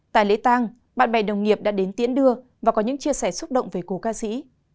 tại lễ tàng bạn bè đồng nghiệp đã đến tiễn đưa và có những chia sẻ xúc động về cổ ca sĩ